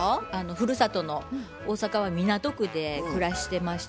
ふるさとの大阪は港区で暮らしてましてね